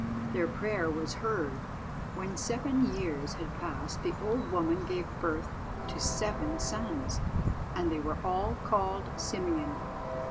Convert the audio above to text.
Their prayer was heard. When seven years had passed the old woman gave birth to seven sons, and they were all called Simeon.